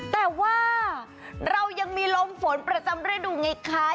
แต่ว่าเรายังมีลมฝนประจำฤดูไงคะ